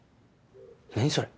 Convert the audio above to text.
何それ？